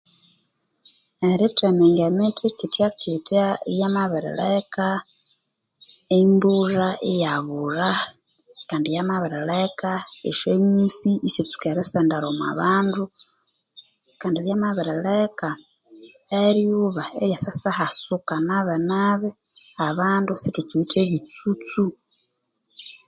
Erithemenga emithi kityakitya yamibirileka embulha iyabulha kandi yamabirileka esyonyusi isyatsuka erisendera omwabandu kandi yamabirileka eryuba iryahasuka nabinabi abandu sithukiwithe ebyitsutsu